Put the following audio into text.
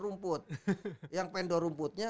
rumput yang pendor rumputnya